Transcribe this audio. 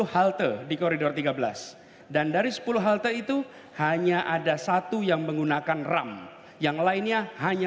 halte di koridor tiga belas dan dari sepuluh halte itu hanya ada satu yang menggunakan ram yang lainnya hanya